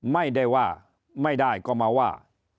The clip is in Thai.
ไม่ได้ว่าไม่ได้ก็มาว่า